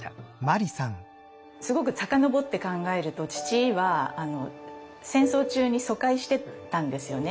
すごく遡って考えると父は戦争中に疎開してたんですよね